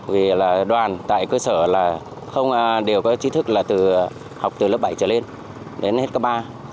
vì là đoàn tại cơ sở là không đều có trí thức là từ học từ lớp bảy trở lên đến hết cấp ba